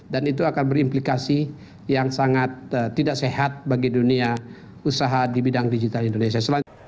dan itu akan berimplikasi yang sangat tidak sehat bagi dunia usaha di bidang digital indonesia